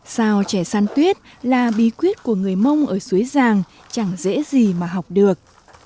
sao trè săn tuyết là bí quyết của người mông ở suối ràng chẳng dễ gì mà học được